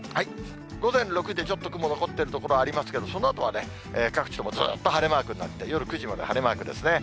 午前６時でちょっと雲が残ってる所ありますけど、そのあとは、各地ともずっと晴れマークになって、夜９時まで晴れマークですね。